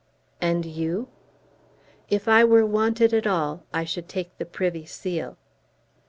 "And you?" "If I were wanted at all I should take the Privy Seal."